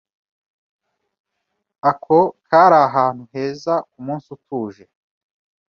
Ako kari ahantu heza kumunsi utuje.